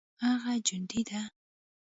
هغه جوندى دى.